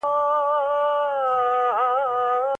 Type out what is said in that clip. که چا په فریب نشه خوړلې وي، طلاق یې څه کیږي؟